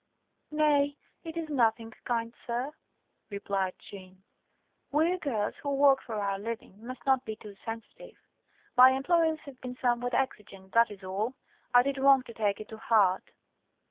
"Nay, it is nothing, kind sir," replied Jeanne; "we girls who work for our living must not be too sensitive. My employers have been somewhat exigent, that is all. I did wrong to take it to heart."